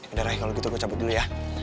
udah ray kalo gitu gue cabut dulu ya